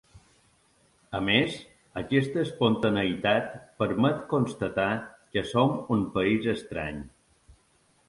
A més, aquesta espontaneïtat permet constatar que som un país estrany.